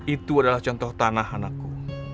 itu adalah contoh tanah anakku